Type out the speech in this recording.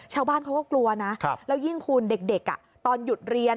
ชาวบ้านเขาก็กลัวนะแล้วยิ่งคุณเด็กตอนหยุดเรียน